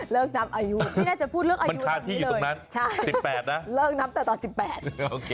เลิกนับอายุมันคาดที่อยู่ตรงนั้น๑๘นะโอเคเลิกนับแต่ตอน๑๘